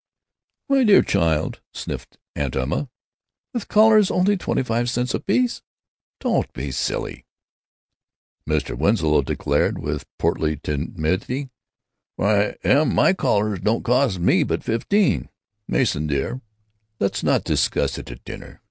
"My dear child," sniffed Aunt Emma, "with collars only twenty five cents apiece? Don't be silly!" Mr. Winslow declared, with portly timidity, "Why, Em, my collars don't cost me but fifteen——" "Mason dear, let's not discuss it at dinner....